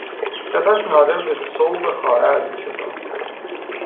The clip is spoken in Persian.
سپس نادر به صوب خوارزم شتافت.